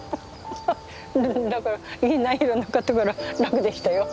だからギンナン拾いなかったから楽でしたよ。